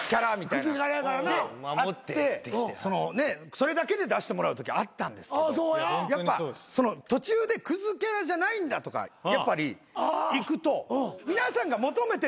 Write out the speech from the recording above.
それだけで出してもらうときあったんですけどやっぱ途中でクズキャラじゃないんだとかやっぱりいくと皆さんが求めてることじゃないんですよ。